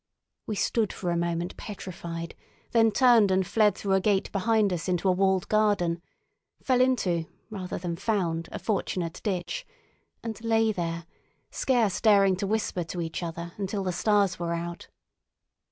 We stood for a moment petrified, then turned and fled through a gate behind us into a walled garden, fell into, rather than found, a fortunate ditch, and lay there, scarce daring to whisper to each other until the stars were out.